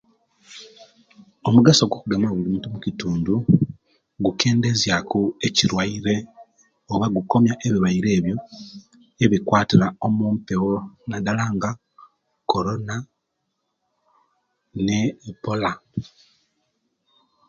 Omugaso gwo kugema omukitundu gukendeza ku ekiruaire oba gukomiya ebiruaire ebiyo ebikwatira omupunga nadala nga korona ne'bola